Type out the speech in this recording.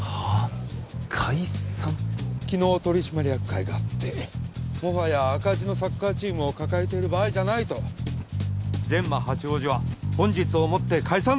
昨日取締役会があってもはや赤字のサッカーチームを抱えている場合じゃないとジェンマ八王子は本日をもって解散だ！